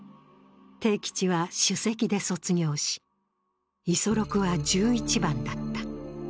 悌吉は首席で卒業し、五十六は１１番だった。